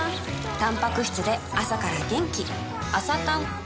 たんぱく質で朝から元気